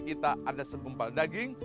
kita ada segumpal daging